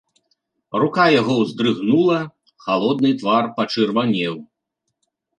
Рука яго ўздрыгнула, халодны твар пачырванеў.